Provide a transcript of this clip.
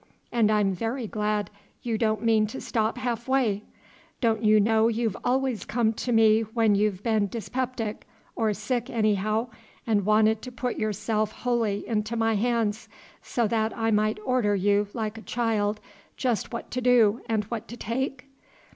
And I'm very glad you don't mean to stop half way. Don't you know you've always come to me when you've been dyspeptic or sick anyhow, and wanted to put yourself wholly into my hands, so that I might order you like a child just what to do and what to take?